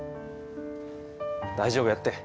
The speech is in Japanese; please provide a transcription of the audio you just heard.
大丈夫やって。